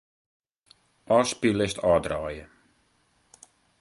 Ofspyllist ôfdraaie.